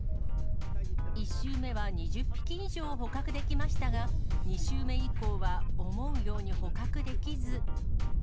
１週目は２０匹以上捕獲できましたが、２周目以降は思うように捕獲できず。